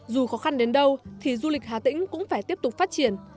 dù khó khăn đến đâu thì du lịch hà tĩnh cũng phải tiếp tục phát triển